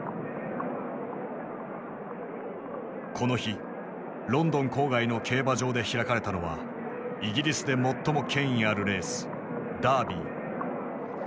この日ロンドン郊外の競馬場で開かれたのはイギリスで最も権威あるレースダービー。